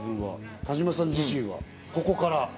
田島さん自身は、ここから。